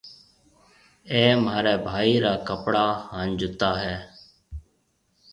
اَي مهارَي ڀائِي را ڪپڙا هانَ جُتا هيَ۔